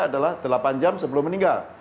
adalah delapan jam sebelum meninggal